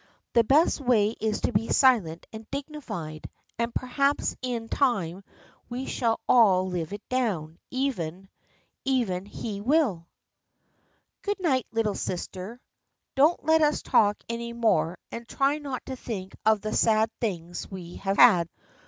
The best way is to be silent and dignified, and perhaps in time we shall all live it down, even — even he will. THE FKIENDSHIP OF ANNE IT Good night, little sister. Don't let us talk any more, and try not to think of the sad things we have had.